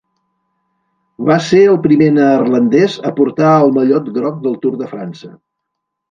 Va ser el primer neerlandès a portar el mallot groc del Tour de França.